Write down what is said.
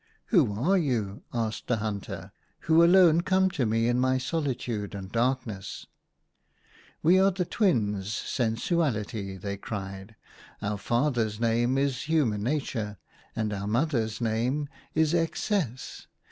" Who are you," asked the hunter, " who alone come to me in my solitude and darkness ?"We are the twins Sensuality," they cried. " Our father's name is Human Nature, and our mother's name is Excess.